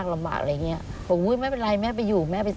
ที่ผู้ที่เมีย